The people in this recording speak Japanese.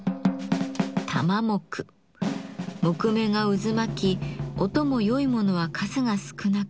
木目が渦巻き音も良いものは数が少なくとても貴重です。